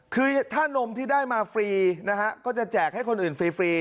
คือถ้านมที่ได้มาฟรีนะฮะก็จะแจกให้คนอื่นฟรี